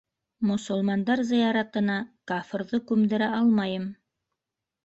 Мосолмандар зыяратына кафырҙы күмдерә алмайым.